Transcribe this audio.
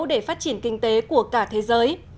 để phát triển kinh tế của cả thế giới